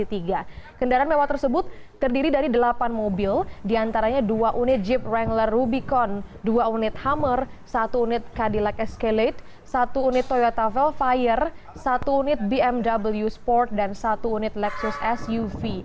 kendaraan mewah tersebut terdiri dari delapan mobil diantaranya dua unit jeep rangler rubicon dua unit hammer satu unit kadilac escalate satu unit toyota velfire satu unit bmw sport dan satu unit lexus suv